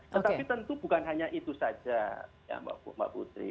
tetapi tentu bukan hanya itu saja ya mbak putri